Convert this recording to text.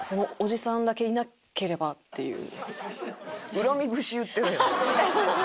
恨み節言ってるやん。